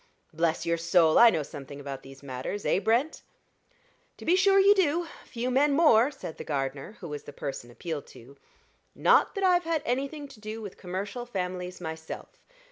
Bless your soul! I know something about these matters, eh, Brent?" "To be sure you do few men more," said the gardener, who was the person appealed to. "Not that I've had anything to do with commercial families myself.